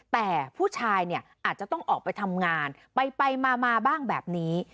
แต่ผู้ชายเนี่ยอาจจะต้องออกไปทำงานไปมาบ้างแบบนี้